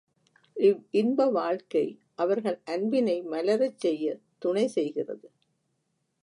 இவ்இன்ப வாழ்க்கை அவர்கள் அன்பினை மலரச் செய்யத் துணை செய்கிறது.